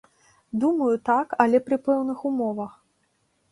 Думаю, так, але пры пэўных умовах.